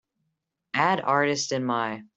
add artist in my